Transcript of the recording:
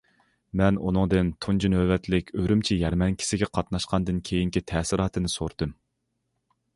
مەن ئۇنىڭدىن تۇنجى نۆۋەتلىك ئۈرۈمچى يەرمەنكىسىگە قاتناشقاندىن كېيىنكى تەسىراتىنى سورىدىم.